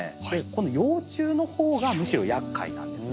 この幼虫の方がむしろやっかいなんです。